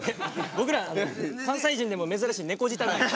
僕ら関西人でも珍しい猫舌なんで。